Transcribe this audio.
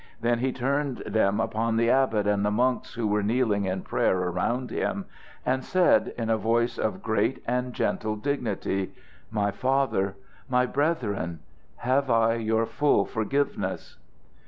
Then he turned them upon the abbot and the monks, who were kneeling in prayer around him, and said, in a voice of great and gentle dignity: "My father my brethren, have I your full forgiveness?"